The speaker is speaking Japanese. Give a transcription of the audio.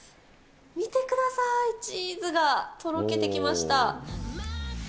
見てください、チーズがとろけてきました。